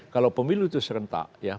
kalau pemilu itu serentak